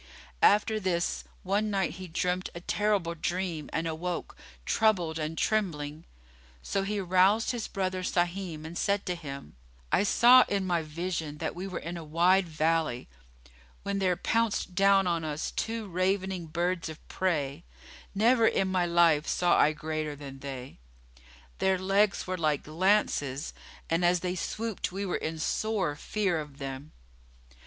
After this, one night he dreamt a terrible dream and awoke, troubled and trembling. So he aroused his brother Sahim and said to him, "I saw in my vision that we were in a wide valley, when there pounced down on us two ravening birds of prey, never in my life saw I greater than they; their legs were like lances, and as they swooped we were in sore fear of them."